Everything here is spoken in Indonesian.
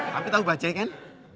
tapi tau bajaj kan